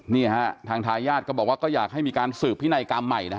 นี่ฮะทางทายาทก็บอกว่าก็อยากให้มีการสืบพินัยกรรมใหม่นะฮะ